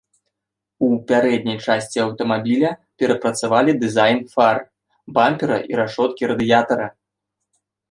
У пярэдняй часці аўтамабіля перапрацавалі дызайн фар, бампера і рашоткі радыятара.